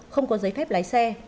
không có giấy phép lái xe